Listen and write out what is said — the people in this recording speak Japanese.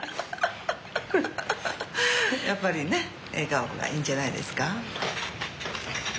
やっぱりね笑顔がいいんじゃないですか。